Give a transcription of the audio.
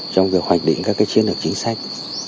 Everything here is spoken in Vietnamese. trong việc hoạch định các chiến lược chính sách